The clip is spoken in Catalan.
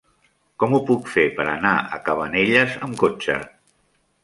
Com ho puc fer per anar a Cabanelles amb cotxe?